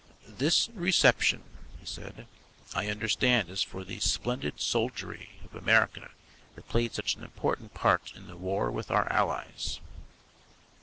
"This reception," he said, "I understand is for the splendid soldiery of America that played such an important part in the war with our Allies."